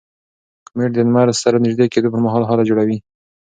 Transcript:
کومیټ د لمر سره نژدې کېدو پر مهال هاله جوړوي.